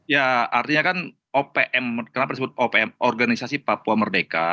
ya artinya kan opm kenapa disebut opm organisasi papua merdeka